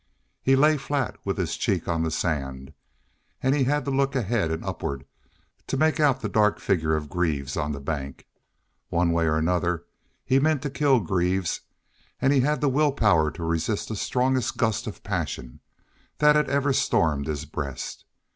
He lay flat, with his cheek on the sand, and he had to look ahead and upward to make out the dark figure of Greaves on the bank. One way or another he meant to kill Greaves, and he had the will power to resist the strongest gust of passion that had ever stormed his breast.